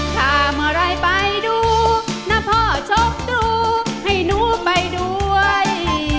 ถ้าเมื่อไหร่ไปดูนะพ่อชกดูให้หนูไปด้วย